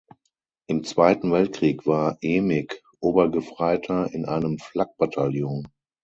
Im Zweiten Weltkrieg war Emig Obergefreiter in einem Flak-Bataillon.